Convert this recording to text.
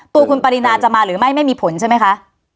ตัวคุณปรินาจะมาหรือไม่ไม่มีผลใช่ไหมคะ